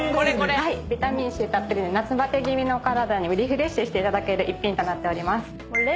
ビタミンＣたっぷりで夏バテ気味のお体にリフレッシュしていただける１品となってます。